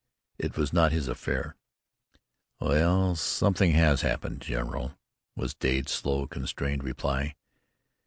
It was not his affair. "W ell, something has happened, general," was Dade's slow, constrained reply.